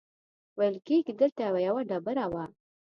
ویل کېږي دلته یوه ډبره وه.